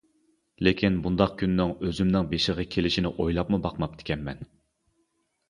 لېكىن بۇنداق كۈننىڭ ئۆزۈمنىڭ بېشىغا كېلىشىنى ئويلاپمۇ باقماپتىكەنمەن.